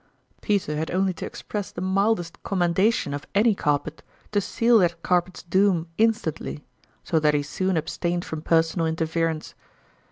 Peter had only to express the mildest commendation of any carpet to seal that car pet's doom instantly ; so that he soon abstained from personal interference.